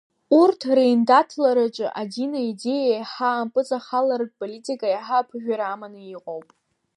Урҭ реиндаҭлараҿы адин аидеиа аиҳа ампыҵахаларатә политика иаҳа аԥыжәара аманы иҟоуп.